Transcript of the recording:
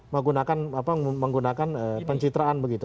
menggunakan apa menggunakan pencitraan begitu